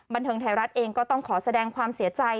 บันเทิงไทยรัฐเองก็ต้องขอแสดงความเสียใจ